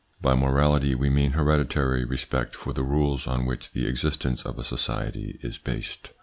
By| morality we mean hereditary respect for the rules on which the existence of a society is based.